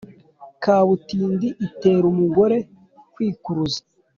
Kabutindi itera umugore kwikuruza.